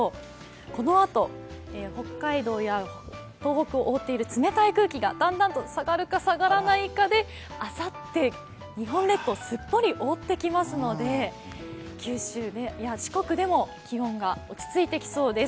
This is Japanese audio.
このあと北海道や東北を覆っている冷たい空気がだんだんと下がるか下がらないかであさって、日本列島をすっぽり覆ってきますので、九州や四国でも気温が落ち着いてきそうです。